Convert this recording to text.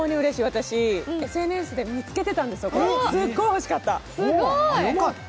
私、ＳＮＳで見つけてたんですよ、これすっごい欲しかった。